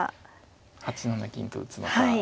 ８七銀と打つのか。